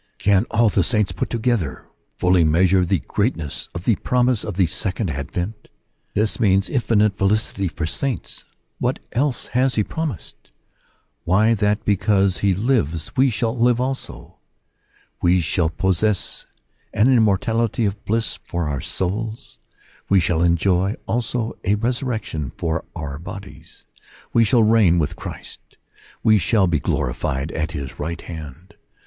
Can all the saints put together fully measure the greatness of the promise of the Second Advent ? This means infinite felicity for saints. What else has he promised ? Why, that because he lives ,we shall The Valuation of the Promises, 6/ live also. We shall possess an immortality of bliss for our souls ; we shall enjoy also a resurrection for our bodies : we shall reign with Christ ; we shall be glorified at his right hand.